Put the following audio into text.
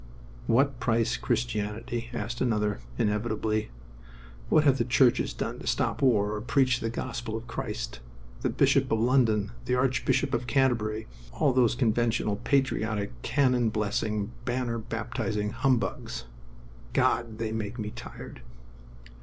"What price Christianity?" asked another, inevitably. "What have the churches done to stop war or preach the gospel of Christ? The Bishop of London, the Archbishop of Canterbury, all those conventional, patriotic, cannon blessing, banner baptizing humbugs. God! They make me tired!"